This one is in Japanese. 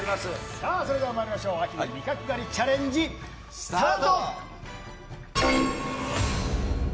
さあまいりましょう、秋の味覚狩りチャレンジ、スタート。